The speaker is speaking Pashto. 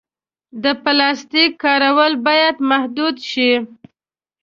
د پلاسټیک کارول باید محدود شي.